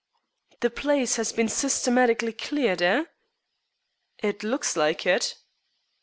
"The place has been systematically cleared, eh?" "It looks like it."